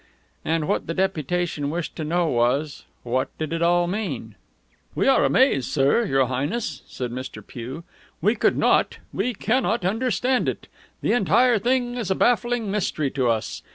And what the deputation wished to know was, What did it all mean? "We were amazed, sir Your Highness," said Mr. Pugh. "We could not we cannot understand it. The entire thing is a baffling mystery to us.